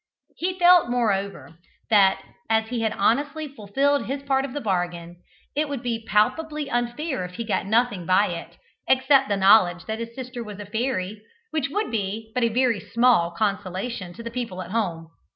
He felt, moreover, that as he had honestly fulfilled his part of the bargain, it would be palpably unfair if he got nothing by it, except the knowledge that his sister was a fairy, which would be but a very small consolation to the people at home.